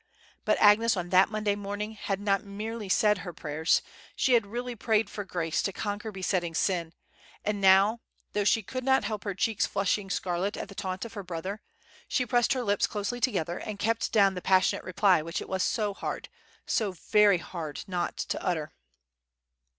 But Agnes on that Monday morning had not merely said her prayers, she had really prayed for grace to conquer besetting sin, and now, though she could not help her cheeks flushing scarlet at the taunt of her brother, she pressed her lips closely together, and kept down the passionate reply which it was so hard, so very hard, not to utter.